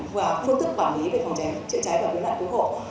và phương tức quản lý về phòng cháy chữa cháy và cứu nạn cứu hộ